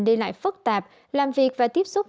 đi lại phức tạp làm việc và tiếp xúc